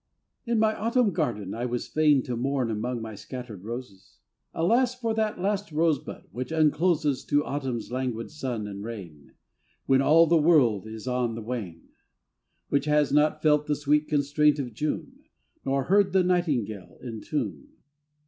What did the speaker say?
T N my Autumn garden I was fain To mourn among my scattered roses ; Alas for that last rosebud which uncloses To autumn's languid sun and rain, When all the world is on the wane ! Which has not felt the sweet constraint of June, Nor heard the nightingale in tune.